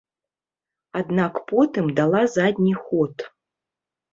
Аднак потым дала задні ход.